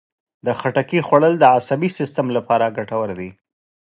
د خټکي خوړل د عصبي سیستم لپاره ګټور دي.